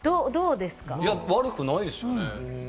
悪くないですよ。